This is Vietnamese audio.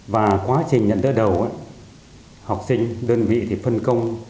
và quá trình nhận đỡ đầu học sinh đơn vị thì phân công